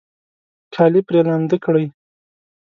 کالي پرې لامده کړئ